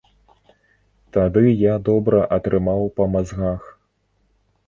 Тады я добра атрымаў па мазгах.